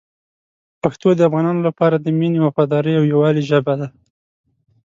پښتو د افغانانو لپاره د مینې، وفادارۍ او یووالي ژبه ده.